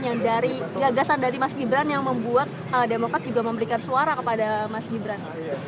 yang dari gagasan dari mas gibran yang membuat demokrat juga memberikan suara kepada mas gibran